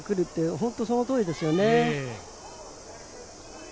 本当にその通りですよね。